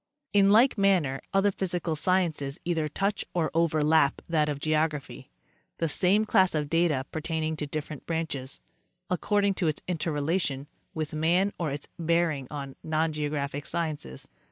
In like manner other physical sciences either touch or overlap that of geography, the same class of data pertaining to different branches, according to its interrelation with man or its bearing on non geographic sciences.